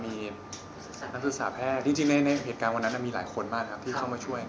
มีนักศึกษาแพทย์จริงในเหตุการณ์วันนั้นมีหลายคนมากครับที่เข้ามาช่วย